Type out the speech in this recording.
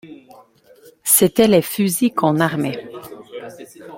C’était les fusils qu’on armait.